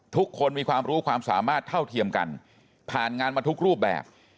ทุกคนมีความรู้ความสามารถเท่าเทียมกันผ่านงานมาทุกรูปแบบ